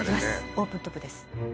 オープントップです